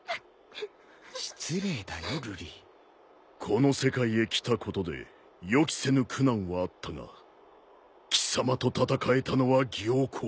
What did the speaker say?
この世界へ来たことで予期せぬ苦難はあったが貴様と戦えたのは僥倖。